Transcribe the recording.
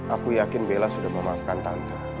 aku yakin bella sudah memaafkan tante